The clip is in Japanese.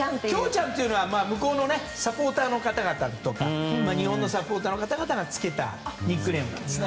亨ちゃんは向こうのサポーターの方とか日本のサポーターの方々がつけたニックネームです。